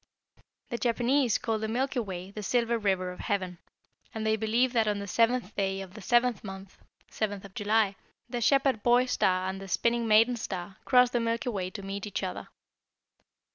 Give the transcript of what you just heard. "The Japanese call the Milky Way the Silver River of Heaven, and they believe that on the seventh day of the seventh month (7th of July), the Shepherd boy star and the Spinning maiden star cross the Milky Way to meet each other.